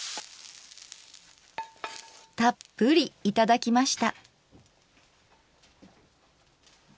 たっぷりいただきました。